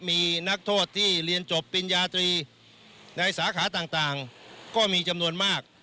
มีนักโทษที่เรียนจบปริญญาตรีในสาขาต่างก็มีจำนวนมาก